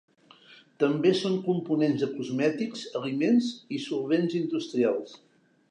També són components de cosmètics, aliments, i solvents industrials.